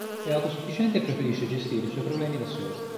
È autosufficiente e preferisce gestire i suoi problemi da sola.